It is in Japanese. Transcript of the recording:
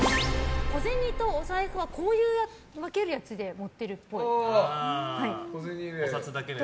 小銭とお財布はこういう分けるやつで持ってるっぽい。